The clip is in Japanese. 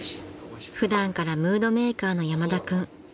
［普段からムードメーカーの山田君］